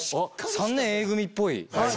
『３年Ａ組』っぽい。